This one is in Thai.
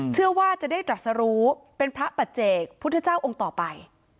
เชื่อว่าจะได้ตรัสรู้เป็นพระปัจเจกพุทธเจ้าองค์ต่อไป